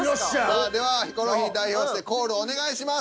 さあではヒコロヒー代表してコールお願いします。